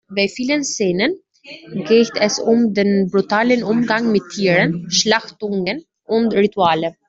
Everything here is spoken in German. Bei vielen Szenen geht es um den brutalen Umgang mit Tieren, Schlachtungen und Rituale.